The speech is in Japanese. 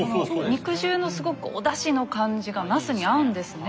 肉汁のすごくおだしの感じがなすに合うんですね。